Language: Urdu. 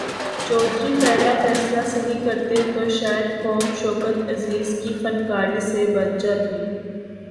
چودھری پہلا فیصلہ صحیح کرتے تو شاید قوم شوکت عزیز کی فنکاری سے بچ جاتی۔